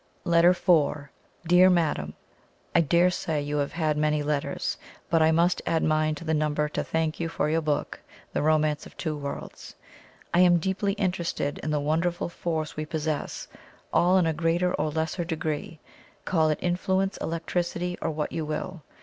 ] LETTER IV. "DEAR MADAM, "I dare say you have had many letters, but I must add mine to the number to thank you for your book, the 'Romance of Two Worlds.' I am deeply interested in the wonderful force we possess, all in a greater or lesser degree call it influence, electricity, or what you will.